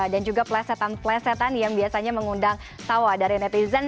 dan juga pelesetan pelesetan yang biasanya mengundang tawa dari netizen